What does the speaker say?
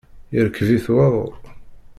Irkeb-it waḍu.